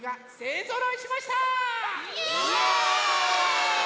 イエーイ！